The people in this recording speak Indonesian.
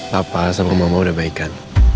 papa sama mama udah baik kan